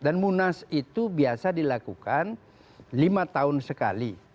dan munas itu biasa dilakukan lima tahun sekali